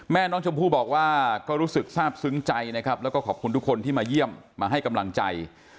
แม่น้องชมพู่บอกว่าก็รู้สึกทราบซึ้งใจนะครับแล้วก็ขอบคุณทุกคนที่มาเยี่ยมมาให้กำลังใจ